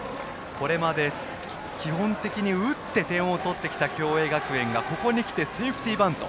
これまで基本的に打って点を取ってきた共栄学園がここにきてセーフティーバント。